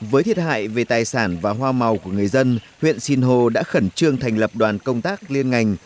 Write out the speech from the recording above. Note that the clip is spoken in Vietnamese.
với thiệt hại về tài sản và hoa màu của người dân huyện sinh hồ đã khẩn trương thành lập đoàn công tác liên ngành